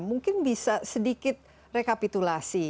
mungkin bisa sedikit rekapitulasi